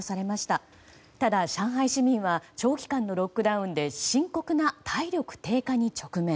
ただ、上海市民は長期間のロックダウンで深刻な体力低下に直面。